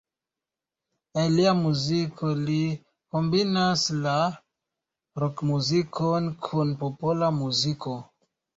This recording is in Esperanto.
En lia muziko li kombinas la rok-muzikon kun popola muziko.